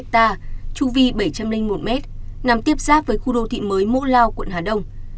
trung vi bảy trăm linh một m nằm tiếp xác với khu đô thị mới mỗ lao quận hà đông